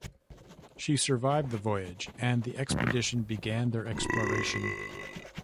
She survived the voyage and the expedition began their exploration.